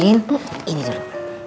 sekarang kita tempelin ini dulu